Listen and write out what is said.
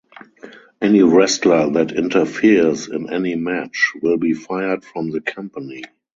Any wrestler that interferes in any match will be fired from the company.